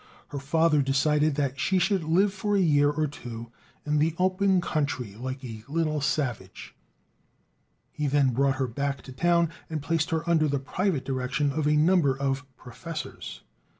Her father decided that she should live for a year or two in the open country like a little savage; he then brought her back to town, and placed her under the private direction of a number of "professors."